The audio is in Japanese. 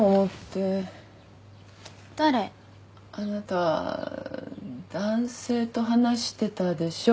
あなた男性と話してたでしょう。